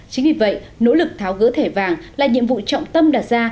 chính vì vậy nỗ lực tháo gỡ thẻ vàng là nhiệm vụ trọng tâm đạt ra